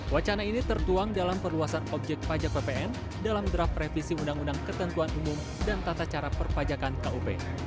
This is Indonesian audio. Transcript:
wacana ini tertuang dalam perluasan objek pajak ppn dalam draft revisi undang undang ketentuan umum dan tata cara perpajakan kup